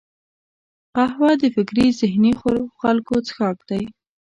قهوه د فکري ذهیني خلکو څښاک دی